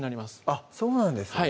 あっそうなんですね